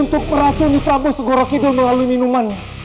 untuk meracuni prabu segoro kidul melalui minuman